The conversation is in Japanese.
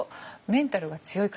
メンタルが強い。